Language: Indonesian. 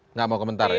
nggak mau komentar ya